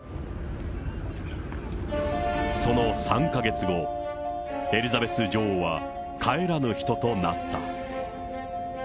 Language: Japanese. その３か月後、エリザベス女王は帰らぬ人となった。